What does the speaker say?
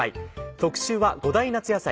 特集は５大夏野菜。